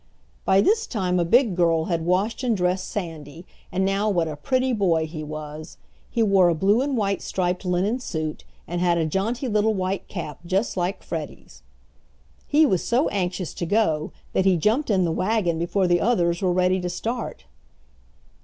By this time a big girl had washed and dressed Sandy, and now what a pretty boy he was! He wore a blue and white striped linen suit and had a jaunty little white cap just like Freddie's. He was so anxious to go that he jumped in the wagon before the others were ready to start.